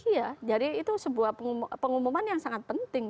iya jadi itu sebuah pengumuman yang sangat penting